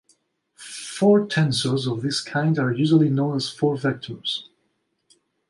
Four-tensors of this kind are usually known as four-vectors.